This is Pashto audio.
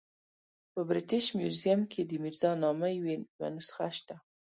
په برټش میوزیم کې د میرزا نامې یوه نسخه شته.